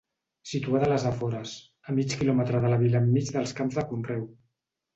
Situada les afores, a mig kilòmetre de la vila enmig dels camps de conreu.